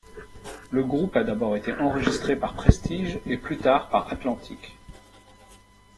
Le groupe a d'abord été enregistré par Prestige et plus tard par Atlantic.